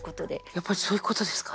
やっぱりそういうことですか。